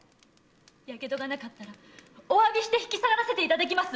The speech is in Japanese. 火傷がなかったらお詫びして引き下がらせていただきます！